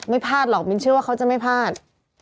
ไม่พลาดหรอกมิ้นเชื่อว่าเขาจะไม่พลาด